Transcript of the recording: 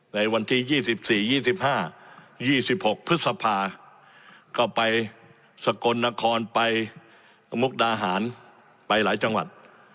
ในวันที่๒๔๒๕๒๖พฤษภาก็ไปสกลนครไปมุกดาหารไปหลายจังหวัด